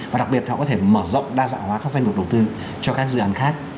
và đặc biệt họ có thể mở rộng đa dạng hóa các doanh mục đầu tư cho các dự án khác